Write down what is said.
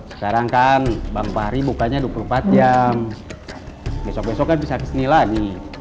sekarang kan bang fahri bukanya dua puluh empat jam besok besok kan bisa kesini lagi